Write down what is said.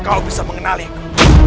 kau bisa mengenaliku